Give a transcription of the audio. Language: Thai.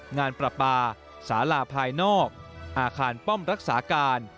งานประปาสาลาภายนอกอาคารป้อมรักษาการ